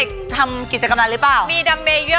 สนับครอบครัวหรือเปล่า